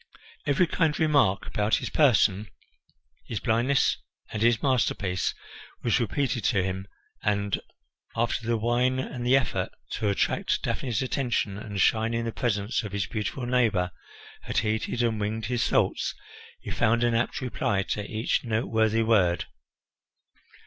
Every kind remark about his person, his blindness, and his masterpiece was repeated to him and, after the wine and the effort to attract Daphne's attention and shine in the presence of his beautiful neighbour had heated and winged his thoughts, he found an apt reply to each noteworthy word.